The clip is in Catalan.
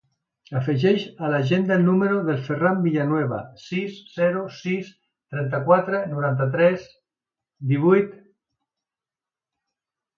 Afegeix a l'agenda el número del Ferran Villanueva: sis, zero, sis, trenta-quatre, noranta-tres, divuit.